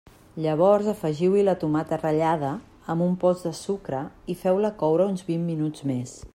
Llavors afegiu-hi la tomata ratllada amb un pols de sucre i feu-la coure vint minuts més.